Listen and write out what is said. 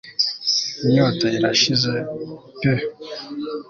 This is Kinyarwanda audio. inyota irashize peuh